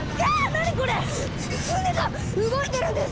何これ⁉船が動いてるんです！